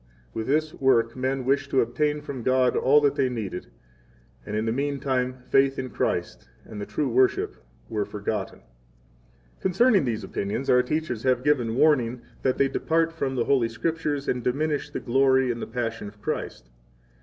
[With this work men wished to obtain from God all that they needed, and in the mean time faith in Christ and the true worship were forgotten.] 24 Concerning these opinions our teachers have given warning that they depart from the Holy Scriptures and diminish the glory of the passion of Christ.